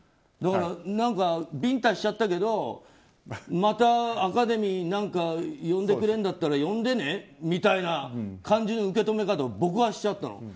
だから、ビンタしちゃったけどまたアカデミーに呼んでくれるんだったら呼んでねみたいな感じの受け止め方を僕はしちゃったの。